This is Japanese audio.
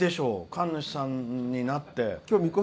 神主さんになって。